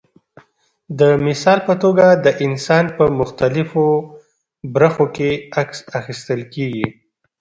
د مثال په توګه د انسان په مختلفو برخو کې عکس اخیستل کېږي.